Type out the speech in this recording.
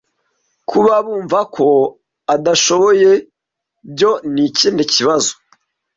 kubabumva ko adashoboye byo nikindi kibazo